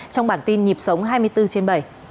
trong bản tin nhịp sống hai mươi bốn trên bảy